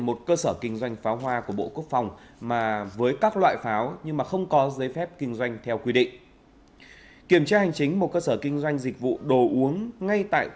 một phần tin tưởng mà không nghĩ mình đã bị lừa